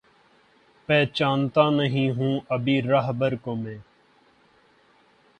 پہچانتا نہیں ہوں ابھی راہبر کو میں